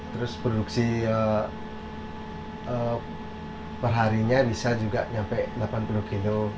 terus produksi perharinya bisa juga sampai delapan puluh kilo